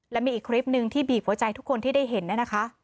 และมีอีกคลิปหนึ่งที่บีบหัวใจทุกคนที่ได้เห็นเนี่ยนะคะ